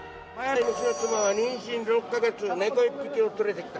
妻は妊娠６か月猫１匹を連れてきた。